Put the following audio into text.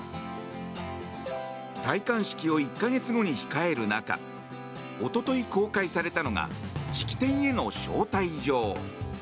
戴冠式を１か月後に控える中一昨日公開されたのが式典への招待状。